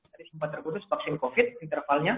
tadi sempat terputus vaksin covid intervalnya